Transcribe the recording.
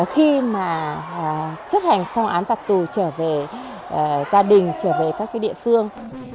khi mà chấp hành xong án phạt tù trở về gia đình trở về các địa phương